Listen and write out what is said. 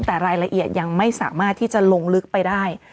แต่รายละเอียดยังไม่สามารถที่จะลงลึกไปได้